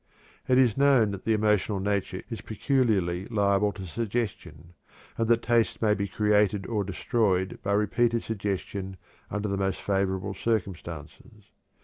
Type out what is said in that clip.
It is known that the emotional nature is peculiarly liable to suggestion, and that tastes may be created or destroyed by repeated suggestion under the most favorable circumstances.